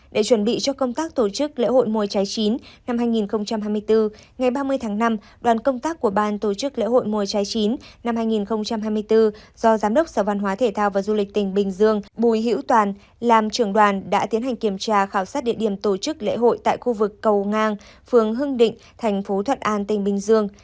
để chuẩn bị cho công tác tổ chức lễ hội mùa trái chín năm hai nghìn hai mươi bốn ngày ba mươi tháng năm đoàn công tác của ban tổ chức lễ hội mùa trái chín năm hai nghìn hai mươi bốn do giám đốc sở văn hóa thể thao và du lịch tỉnh bình dương bùi hữu toàn làm trường đoàn đã tiến hành kiểm tra khảo sát địa điểm tổ chức lễ hội tại khu vực cầu ngang phường hưng định thành phố thuận an tỉnh bình dương